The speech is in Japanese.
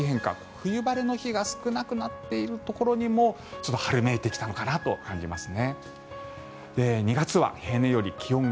冬晴れの日が少なくなっているところにも春めいてきたのかなと感じますね。